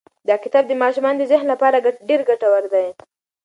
دا کتاب د ماشومانو د ذهن لپاره ډېر ګټور دی.